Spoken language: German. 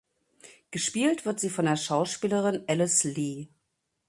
Gespielt wird sie von der Schauspielerin Alice Lee.